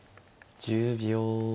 １０秒。